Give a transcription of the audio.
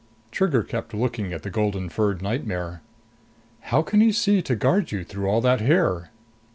Trigger kept looking at the golden furred nightmare. "How can he see to guard you through all that hair?"